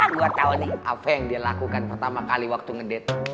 gue tau nih apa yang dia lakukan pertama kali waktu ngedate